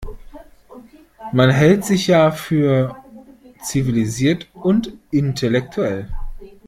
Man hält sich ja für zivilisiert und intellektuell.